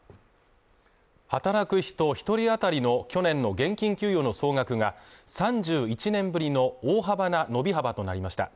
働く人一人あたりの去年の現金給与の総額が３１年ぶりの大幅な伸び幅となりました